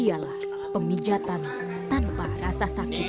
ialah pemijatan tanpa rasa sakit